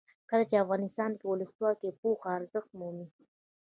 کله چې افغانستان کې ولسواکي وي پوهه ارزښت مومي.